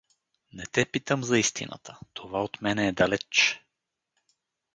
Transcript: — Не те питам за истината; това от мене е далеч.